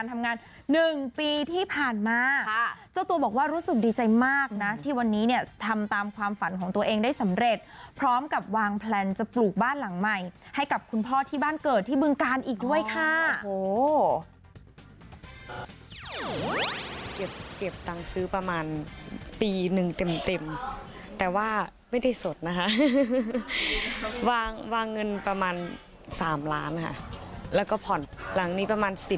หนึ่งปีที่ผ่านมาค่ะเจ้าตัวบอกว่ารู้สึกดีใจมากนะที่วันนี้เนี่ยทำตามความฝันของตัวเองได้สำเร็จพร้อมกับวางแพลนจะปลูกบ้านหลังใหม่ให้กับคุณพ่อที่บ้านเกิดที่บึงการอีกด้วยค่ะโอ้โหเก็บเก็บตังซื้อประมาณปีหนึ่งเต็มเต็มแต่ว่าไม่ได้สดนะคะวางวางเงินประมาณสามล้านนะคะแล้วก็ผ่อนหลังนี้ป